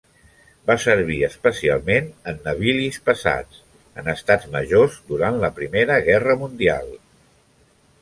Va servir especialment en navilis pesats, en estats majors durant la Primera Guerra Mundial.